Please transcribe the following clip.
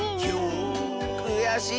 くやしい！